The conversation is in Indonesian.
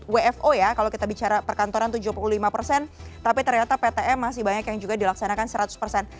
wfo ya kalau kita bicara perkantoran tujuh puluh lima persen tapi ternyata ptm masih banyak yang juga dilaksanakan seratus persen